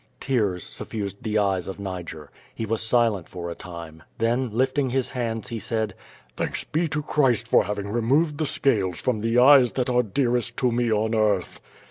^' Tears suffused the eyes of Niger. He was silent for a time. Then, lifting his hands, he said: "Thanks be to Christ for having removed the scales from the eyes that are dearest to me on earth.'